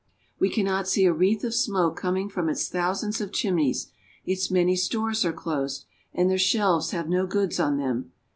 We cannot see a wreath of smoke coming from its thou sands of chimneys ; its many stores are closed, and their shelves have no goods upon them.